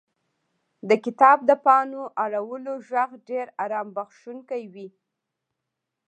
• د کتاب د پاڼو اړولو ږغ ډېر آرام بښونکی وي.